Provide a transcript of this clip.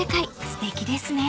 ［すてきですね］